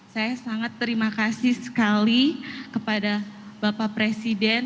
saya sangat terima kasih sekali kepada bapak presiden